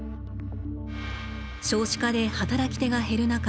少子化で働き手が減る中